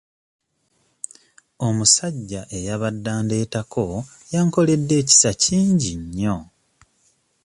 Omusajja eyabadde andeetako yankoledde ekisa kingi nnyo.